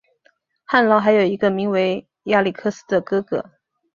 翰劳还有一个名为亚历克斯的哥哥。